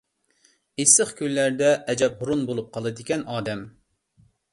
ئىسسىق كۈنلەردە ئەجەب ھۇرۇن بولۇپ قالىدىكەن ئادەم.